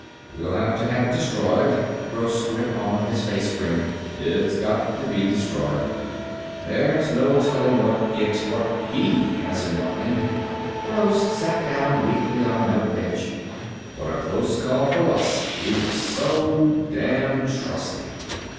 "We'll have to have it destroyed," Gross went on, his face grim. "It's got to be destroyed. There's no telling what it what he has in mind." Gross sat down weakly on a metal bench. "What a close call for us. We were so damn trusting."